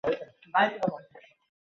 আপনি হাত দেখায় বিশ্বাস করেন?